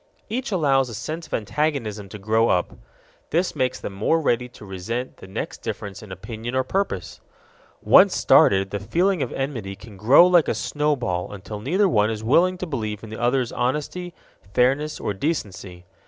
Each allows a sense of antagonism to grow up. This makes them more ready to resent the next difference in opinion or purpose. Once started, the feeling of enmity can grow like a snowball until neither one is willing to believe in the other's honesty, fairness, or decency.